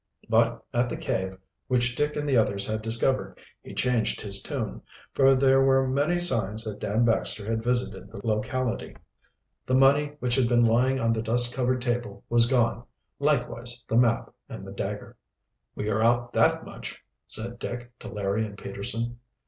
But at the cave which Dick and the others had discovered he changed his tune, for there were many signs that Dan Baxter had visited the locality. The money which had been lying on the dust covered table was gone, likewise the map and the dagger. "We are out that much," said Dick to Larry and Peterson.